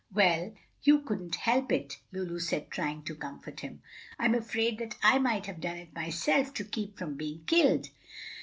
"Well, you couldn't help it," Lulu said, trying to comfort him. "I'm afraid that I might have done it myself to keep from being killed."